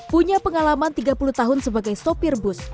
punya pengalaman tiga puluh tahun sebagai sopir bus